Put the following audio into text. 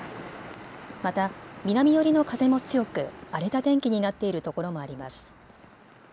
また南寄りの風も強く荒れた天気になっているところもあります。